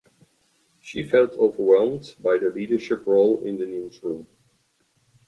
She felt overwhelmed by the leadership role in the newsroom.